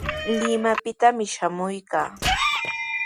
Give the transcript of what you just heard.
Limaqpitami shamuykaa.